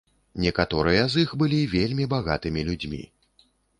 Некаторыя з іх былі вельмі багатымі людзьмі.